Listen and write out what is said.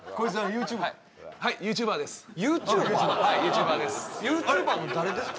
ＹｏｕＴｕｂｅｒの誰ですか？